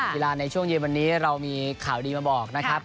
ในช่วงเย็นวันนี้เรามีข่าวดีมาบอกนะครับ